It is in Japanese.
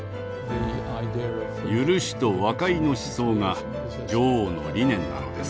許しと和解の思想が女王の理念なのです。